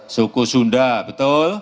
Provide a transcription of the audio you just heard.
suku sunda betul